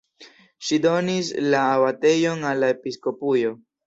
Ŝi donis la abatejon al la episkopujo.